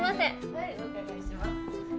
・はいお伺いします